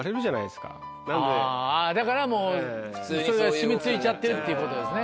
だからそれが染み付いちゃってるっていうことですね。